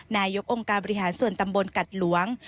นายกองค์การบริหารส่วนตำบลกัดหลวง